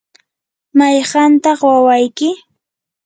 ¿mayqantaq wawayki?